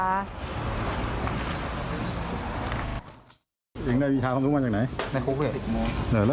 แล้วคนร้ายคนนี้เคยติดคุกคดีวิ่งราวทรัพย์